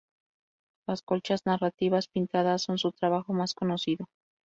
Las colchas narrativas pintadas son su trabajo más conocido.